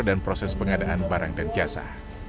dan proses pengadaan barang dan jasa